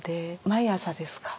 毎朝ですか？